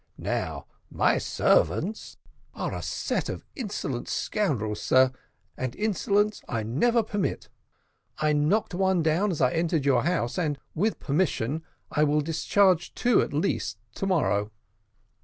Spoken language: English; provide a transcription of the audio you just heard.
Now my servants " "Are a set of insolent scoundrels, sir, and insolence I never permit. I knocked one down as I entered your house, and, with your permission, I will discharge two, at least, to morrow."